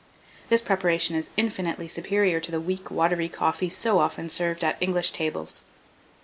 This preparation is infinitely superior to the weak watery coffee so often served at English tables.